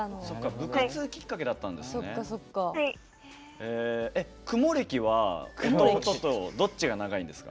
部活きっかけだったんですね。